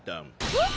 えっ？